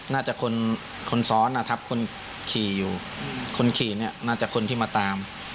น่าจะคนซ้อนทับคนขี่อยู่คนขี่น่าจะคนที่มาตาม